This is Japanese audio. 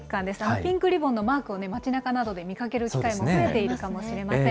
ピンクリボンのマークを街なかなどで見かける機会も増えているかもしれません。